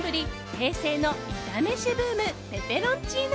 平成のイタ飯ブームペペロンチーノ